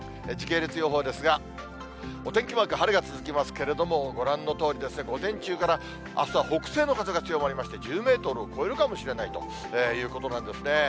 時系列予報ですが、お天気マーク、晴れが続きますけれども、ご覧のとおりですね、午前中からあすは北西の風が強まりまして、１０メートルを超えるかもしれないということなんですね。